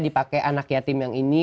dipakai anak yatim yang ini